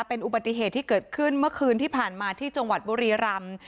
เป็นอุบัติเหตุที่เกิดขึ้นเมื่อคืนที่ผ่านมาที่จังหวัดบุรีรำ